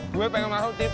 gue pengen masuk tv